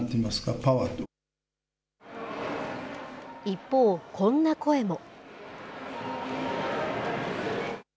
一方、こんな声も。